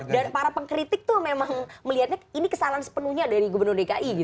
dan para pengkritik tuh memang melihatnya ini kesalahan sepenuhnya dari gubernur dki gitu